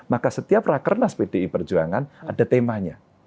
maka setiap rakernas pdi perjuangan ada temanya